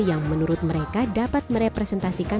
yang menurut mereka dapat merepresentasikan